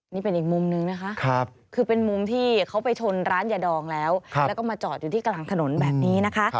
นี่เป็นอีกมุมนึงนะคะคือเป็นมุมที่เขาไปชนร้านยาดองแล้วแล้วก็มาจอดอยู่ที่กลางถนนแบบนี้นะคะ